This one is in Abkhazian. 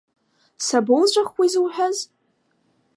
Сабоуҵәахуеи зуҳәаз?